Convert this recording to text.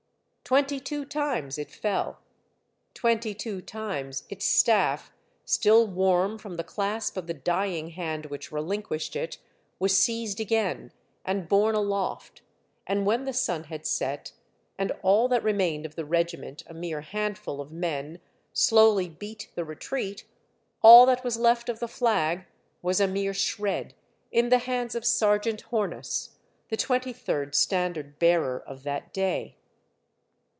Twenty two times it fell; twenty two times its staff", still warm from the clasp of the dying hand which relinquished it, was seized again, and borne aloft, and when the sun had set, and all that re mained of the regiment, a mere handful of men, slowly beat the retreat, all that was left of the flag was a mere shred in the hands of Sergeant Hornus, the twenty third standard bearer of that day.